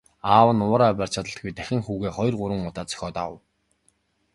Аав нь уураа барьж чадалгүй дахин хүүгээ хоёр гурван удаа цохиод авав.